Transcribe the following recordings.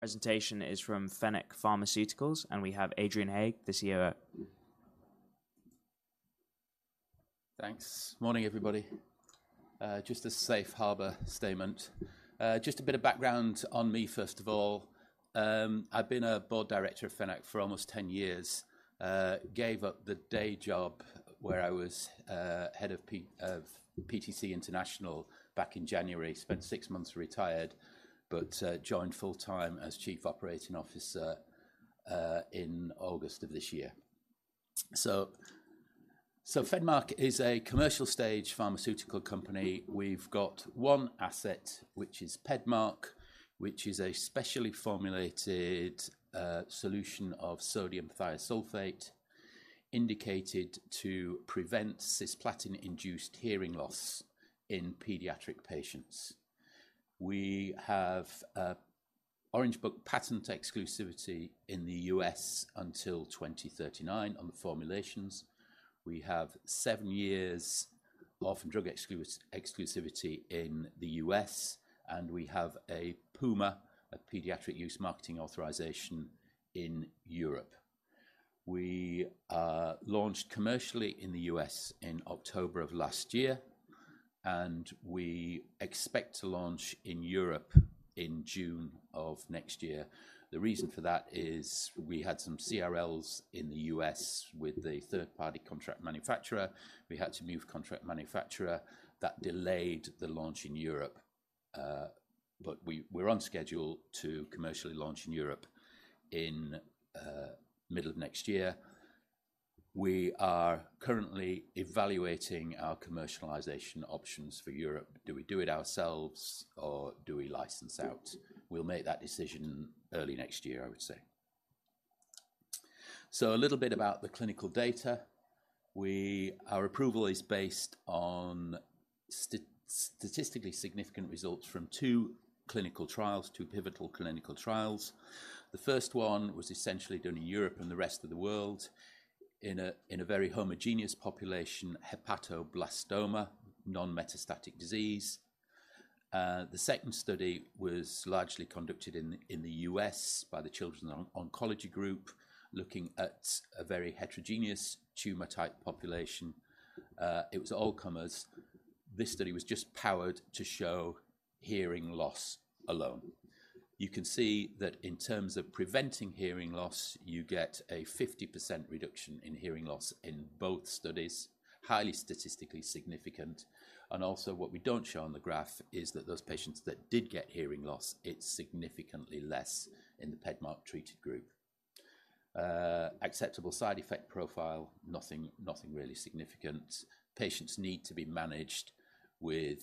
presentation is from Fennec Pharmaceuticals, and we have Adrian Haigh, the CEO. Thanks. Morning, everybody. Just a safe harbor statement. Just a bit of background on me first of all. I've been a board director of Fennec for almost 10 years. Gave up the day job where I was head of P- of PTC International back in January. Spent six months retired, but joined full-time as Chief Operating Officer in August of this year. So Fennec is a commercial-stage pharmaceutical company. We've got one asset, which is PEDMARK, which is a specially formulated solution of sodium thiosulfate, indicated to prevent cisplatin-induced hearing loss in pediatric patients. We have an Orange Book patent exclusivity in the U.S. until 2039 on the formulations. We have seven years law and drug exclusivity in the U.S., and we have a PUMA, a Pediatric Use Marketing Authorization, in Europe. We launched commercially in the US in October of last year, and we expect to launch in Europe in June of next year. The reason for that is we had some CRLs in the US with a third-party contract manufacturer. We had to move contract manufacturer. That delayed the launch in Europe, but we're on schedule to commercially launch in Europe in middle of next year. We are currently evaluating our commercialization options for Europe. Do we do it ourselves, or do we license out? We'll make that decision early next year, I would say. So a little bit about the clinical data. Our approval is based on statistically significant results from two clinical trials, two pivotal clinical trials. The first one was essentially done in Europe and the rest of the world in a very homogeneous population, hepatoblastoma, non-metastatic disease. The second study was largely conducted in the US by the Children's Oncology Group, looking at a very heterogeneous tumor-type population. It was all comers. This study was just powered to show hearing loss alone. You can see that in terms of preventing hearing loss, you get a 50% reduction in hearing loss in both studies, highly statistically significant. And also, what we don't show on the graph is that those patients that did get hearing loss, it's significantly less in the PEDMARK treated group. Acceptable side effect profile, nothing really significant. Patients need to be managed with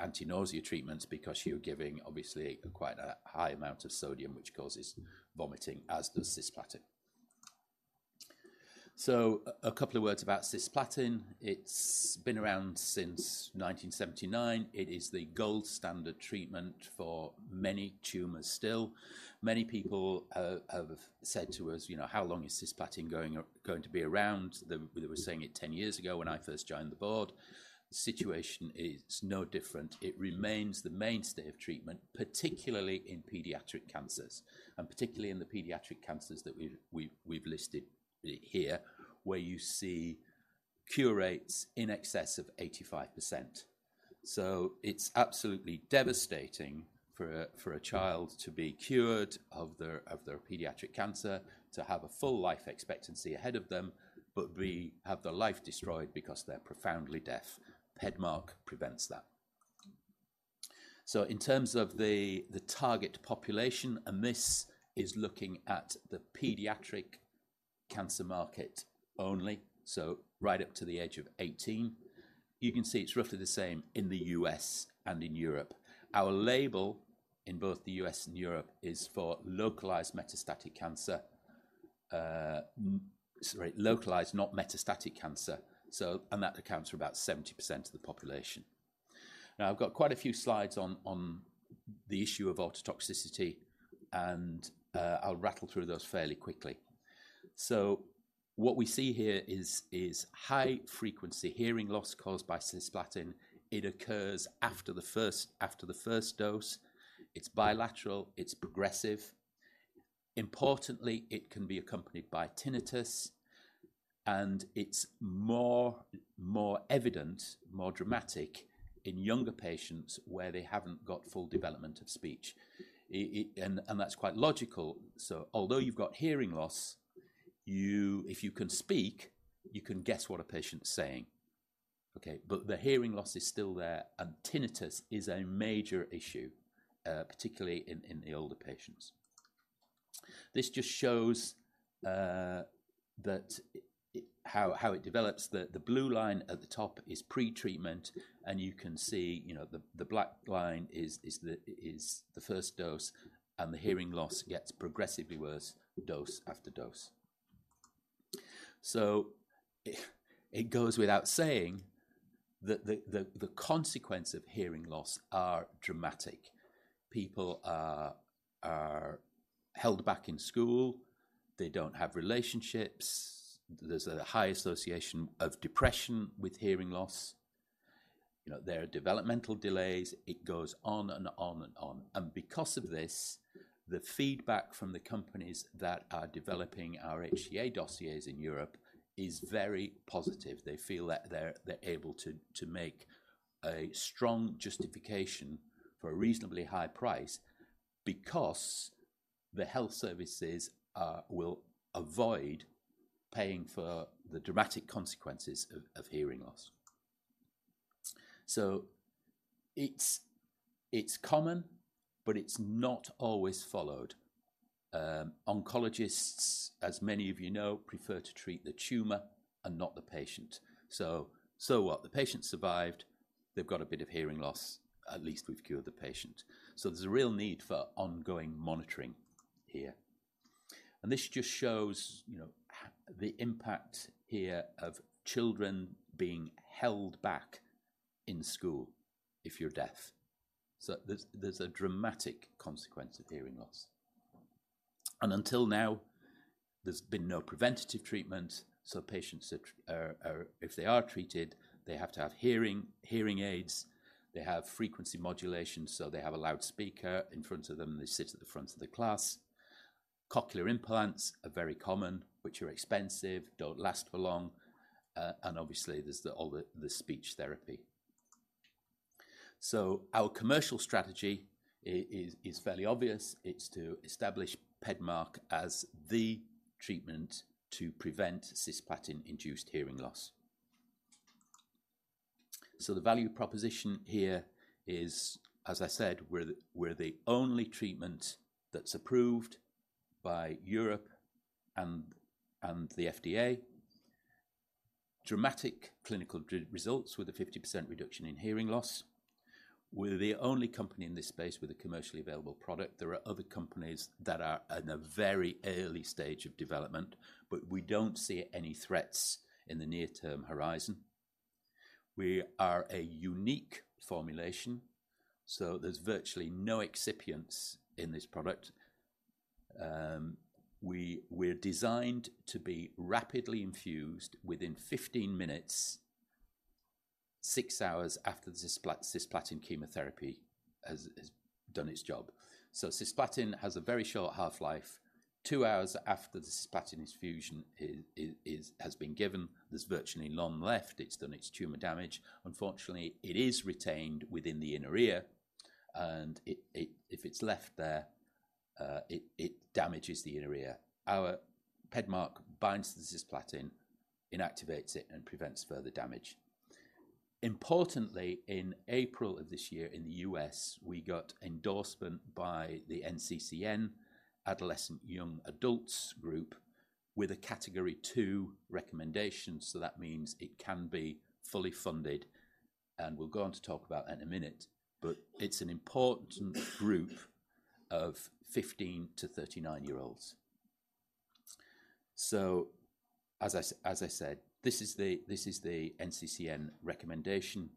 anti-nausea treatments because you're giving obviously quite a high amount of sodium, which causes vomiting, as does cisplatin. So a couple of words about cisplatin. It's been around since 1979. It is the gold standard treatment for many tumors still. Many people have said to us, "You know, how long is cisplatin going to be around?" They were saying it 10 years ago when I first joined the board. The situation is no different. It remains the mainstay of treatment, particularly in pediatric cancers, and particularly in the pediatric cancers that we've listed here, where you see cure rates in excess of 85%. So it's absolutely devastating for a child to be cured of their pediatric cancer, to have a full life expectancy ahead of them, but we have their life destroyed because they're profoundly deaf. PEDMARK prevents that. So in terms of the target population, and this is looking at the pediatric cancer market only, so right up to the age of 18, you can see it's roughly the same in the U.S. and in Europe. Our label in both the U.S. and Europe is for localized metastatic cancer. Sorry, localized, not metastatic cancer. So... And that accounts for about 70% of the population. Now, I've got quite a few slides on the issue of ototoxicity, and I'll rattle through those fairly quickly. So what we see here is high-frequency hearing loss caused by cisplatin. It occurs after the first dose. It's bilateral, it's progressive. Importantly, it can be accompanied by tinnitus, and it's more evident, more dramatic in younger patients where they haven't got full development of speech. And that's quite logical. So although you've got hearing loss, you, if you can speak, you can guess what a patient's saying. Okay, but the hearing loss is still there, and tinnitus is a major issue, particularly in the older patients. This just shows that it, how it develops. The blue line at the top is pre-treatment, and you can see, you know, the black line is the first dose, and the hearing loss gets progressively worse dose after dose. So, it goes without saying that the consequence of hearing loss are dramatic. People are held back in school. They don't have relationships. There's a high association of depression with hearing loss. You know, there are developmental delays. It goes on and on and on. And because of this, the feedback from the companies that are developing our HTA dossiers in Europe is very positive. They feel that they're able to make a strong justification for a reasonably high price because the health services will avoid paying for the dramatic consequences of hearing loss. So it's, it's common, but it's not always followed. Oncologists, as many of you know, prefer to treat the tumor and not the patient. So, so what? The patient survived, they've got a bit of hearing loss, at least we've cured the patient. So there's a real need for ongoing monitoring here. And this just shows, you know, the impact here of children being held back in school if you're deaf. So there's a dramatic consequence of hearing loss. And until now, there's been no preventative treatment, so patients that are... If they are treated, they have to have hearing aids. They have frequency modulation, so they have a loudspeaker in front of them, and they sit at the front of the class. Cochlear implants are very common, which are expensive, don't last for long, and obviously, there's all the speech therapy. So our commercial strategy is fairly obvious. It's to establish PEDMARK as the treatment to prevent cisplatin-induced hearing loss. The value proposition here is, as I said, we're the only treatment that's approved by Europe and the FDA. Dramatic clinical results with a 50% reduction in hearing loss. We're the only company in this space with a commercially available product. There are other companies that are at a very early stage of development, but we don't see any threats in the near-term horizon. We are a unique formulation, so there's virtually no excipients in this product. We're designed to be rapidly infused within 15 minutes, 6 hours after the cisplatin chemotherapy has done its job. Cisplatin has a very short half-life. 2 hours after the cisplatin infusion has been given, there's virtually none left. It's done its tumor damage. Unfortunately, it is retained within the inner ear, and it, if it's left there, it damages the inner ear. Our PEDMARK binds to the cisplatin, inactivates it, and prevents further damage. Importantly, in April of this year in the U.S., we got endorsement by the NCCN Adolescent and Young Adults group with a Category Two recommendation, so that means it can be fully funded, and we'll go on to talk about that in a minute. But it's an important group of 15- to 39-year-olds. So as I said, as I said, this is the, this is the NCCN recommendation,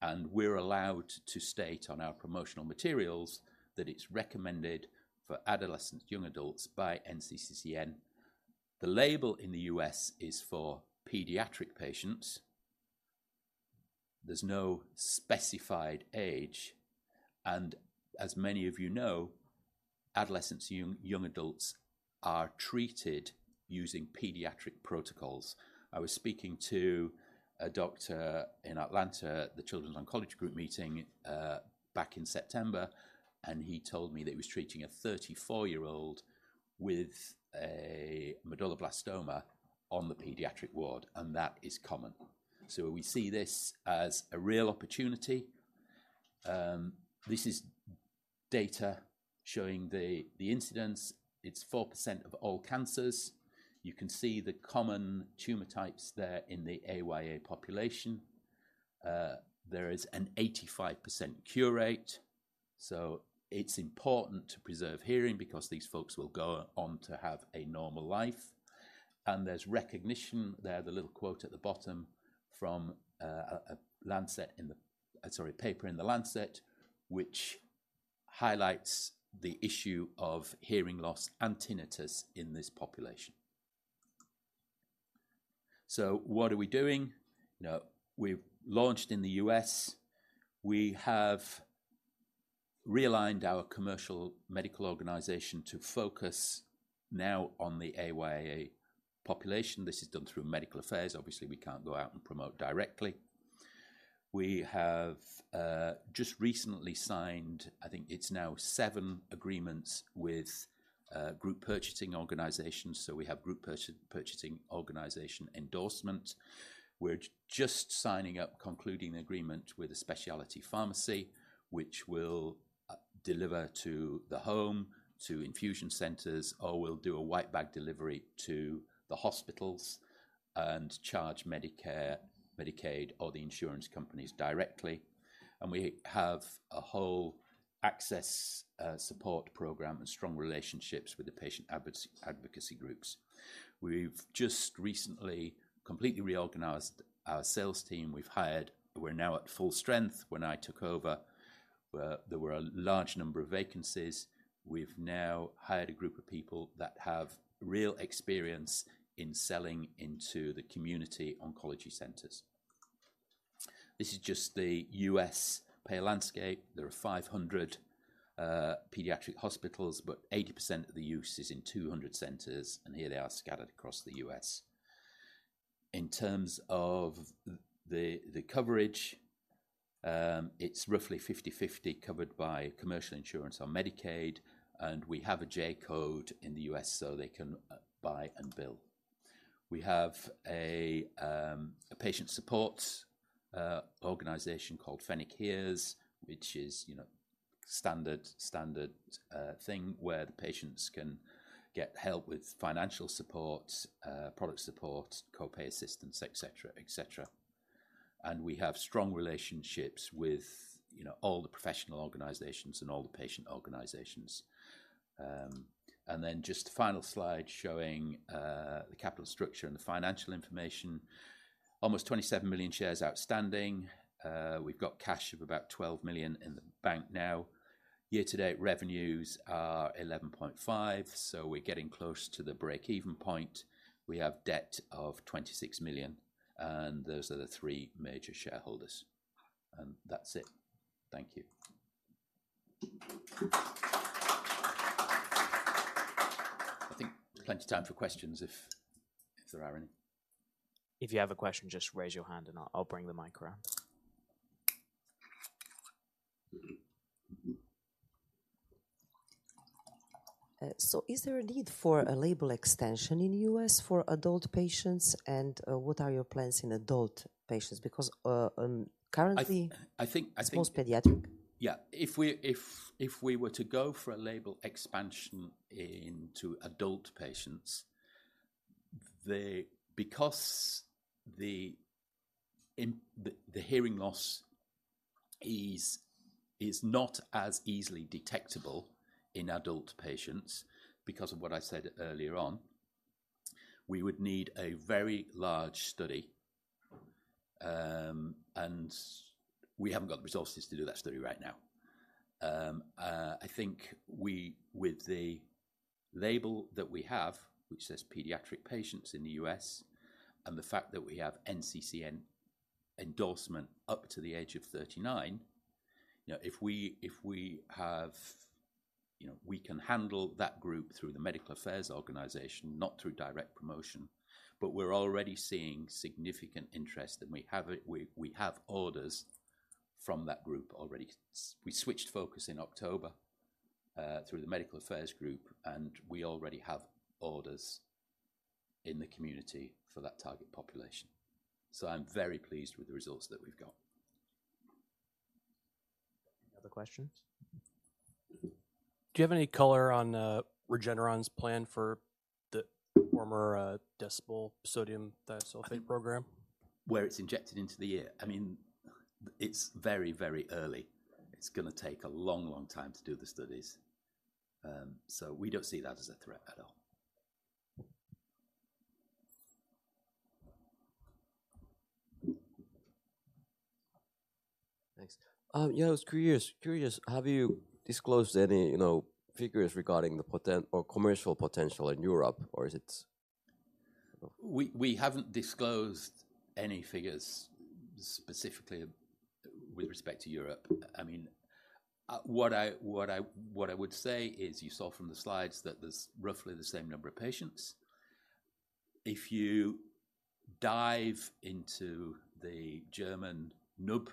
and we're allowed to state on our promotional materials that it's recommended for adolescents and young adults by NCCN. The label in the U.S. is for pediatric patients. There's no specified age, and as many of you know, adolescents and young, young adults are treated using pediatric protocols. I was speaking to a doctor in Atlanta, the Children's Oncology Group meeting, back in September, and he told me that he was treating a 34-year-old with a medulloblastoma on the pediatric ward, and that is common. So we see this as a real opportunity. This is data showing the incidence. It's 4% of all cancers. You can see the common tumor types there in the AYA population. There is an 85% cure rate, so it's important to preserve hearing because these folks will go on to have a normal life. And there's recognition there, the little quote at the bottom from a Lancet in the... Sorry, a paper in The Lancet, which highlights the issue of hearing loss and tinnitus in this population. So what are we doing? You know, we've launched in the U.S. We have realigned our commercial medical organization to focus now on the AYA population. This is done through medical affairs. Obviously, we can't go out and promote directly. We have just recently signed, I think it's now seven agreements with group purchasing organizations, so we have group purchasing organization endorsement. We're just signing up, concluding an agreement with a specialty pharmacy, which will deliver to the home, to infusion centers, or we'll do a white bag delivery to the hospitals and charge Medicare, Medicaid, or the insurance companies directly. And we have a whole access support program and strong relationships with the patient advocacy groups. We've just recently completely reorganized our sales team. We've hired... We're now at full strength. When I took over, where there were a large number of vacancies. We've now hired a group of people that have real experience in selling into the community oncology centers. This is just the US pay landscape. There are 500 pediatric hospitals, but 80% of the use is in 200 centers, and here they are scattered across the US. In terms of the coverage, it's roughly 50/50 covered by commercial insurance or Medicaid, and we have a J-code in the US so they can buy and bill. We have a patient support organization called Fennec HEARS, which is, you know, standard thing, where the patients can get help with financial support, product support, co-pay assistance, et cetera, et cetera. We have strong relationships with, you know, all the professional organizations and all the patient organizations. And then just final slide showing the capital structure and the financial information. Almost 27 million shares outstanding. We've got cash of about $12 million in the bank now. Year-to-date revenues are $11.5 million, so we're getting close to the breakeven point. We have debt of $26 million, and those are the three major shareholders. And that's it. Thank you. I think plenty of time for questions if there are any. If you have a question, just raise your hand and I'll bring the mic around. So is there a need for a label extension in the U.S. for adult patients? And, currently- I think- It's most pediatric. Yeah. If we were to go for a label expansion into adult patients, because the hearing loss is not as easily detectable in adult patients because of what I said earlier on, we would need a very large study. And we haven't got the resources to do that study right now. I think we, with the label that we have, which says pediatric patients in the U.S., and the fact that we have NCCN endorsement up to the age of 39, you know, if we have... You know, we can handle that group through the medical affairs organization, not through direct promotion. But we're already seeing significant interest, and we have orders from that group already. We switched focus in October through the medical affairs group, and we already have orders in the community for that target population. So I'm very pleased with the results that we've got. Any other questions? Do you have any color on Regeneron's plan for the former Decibel sodium thiosulfate program? Where it's injected into the ear? I mean, it's very, very early. It's gonna take a long, long time to do the studies. So we don't see that as a threat at all. Thanks. Yeah, I was curious, have you disclosed any, you know, figures regarding the potential or commercial potential in Europe, or is it-? We haven't disclosed any figures specifically with respect to Europe. I mean, what I would say is, you saw from the slides that there's roughly the same number of patients. If you dive into the German NUB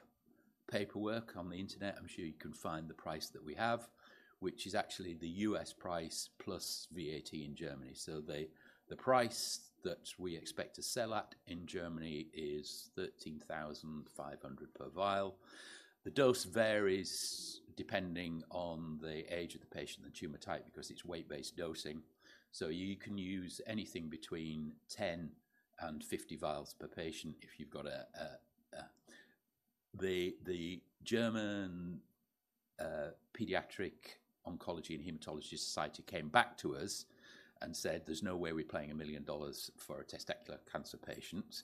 paperwork on the internet, I'm sure you can find the price that we have, which is actually the US price plus VAT in Germany. So the price that we expect to sell at in Germany is 13,500 per vial. The dose varies depending on the age of the patient and tumor type, because it's weight-based dosing, so you can use anything between 10 and 50 vials per patient if you've got a, a, a... The German Pediatric Oncology and Hematology Society came back to us and said, "There's no way we're paying $1 million for a testicular cancer patient."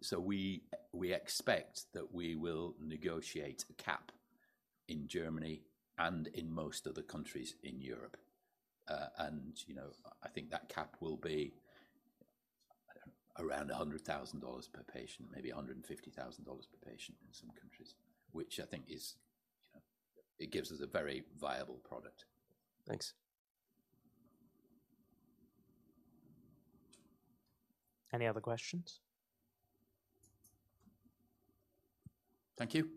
So we expect that we will negotiate a cap in Germany and in most other countries in Europe. And you know, I think that cap will be around $100,000 per patient, maybe $150,000 per patient in some countries, which I think is, you know, it gives us a very viable product. Thanks. Any other questions? Thank you.